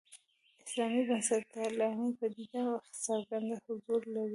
اسلامي بنسټپالنې پدیده څرګند حضور لري.